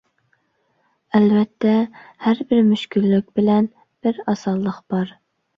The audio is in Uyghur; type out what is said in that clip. ئەلۋەتتە، ھەربىر مۈشكۈللۈك بىلەن بىر ئاسانلىق بار.